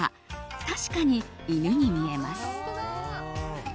確かに、犬に見えます。